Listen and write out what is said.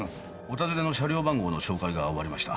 お尋ねの車両番号の照会が終わりました。